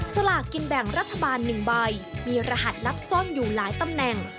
สลากกินแบ่งรัฐบาล๑ใบมีรหัสลับซ่อนอยู่หลายตำแหน่ง